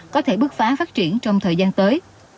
có thể bước phá phát triển trong thời gian tới